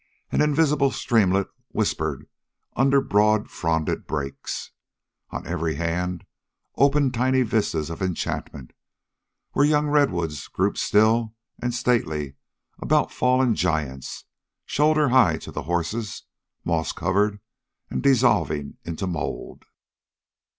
An invisible streamlet whispered under broad fronded brakes. On every hand opened tiny vistas of enchantment, where young redwoods grouped still and stately about fallen giants, shoulder high to the horses, moss covered and dissolving into mold.